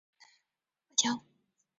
邪马台国的官吏中有大夫负责外交。